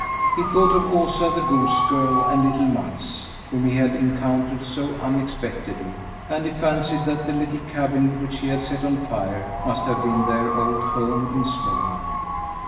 He thought of Osa, the goose girl, and little Mats, whom he had encountered so unexpectedly; and he fancied that the little cabin which he had set on fire must have been their old home in Småland.